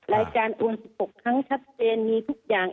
รายการวนทุกข์ทั้งชัดเสนมีทุกอย่าง